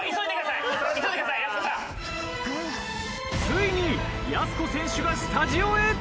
ついにやす子選手がスタジオへ。